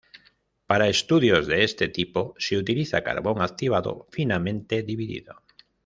Para estudios de este tipo se utiliza carbón activado finamente dividido.